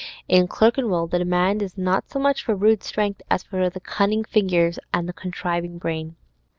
In Clerkenwell the demand is not so much for rude strength as for the cunning fingers and the contriving brain.